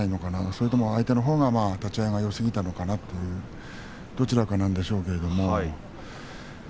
それとも相手のほうが立ち合いがよすぎたのかなというどちらかなんでしょうけれども。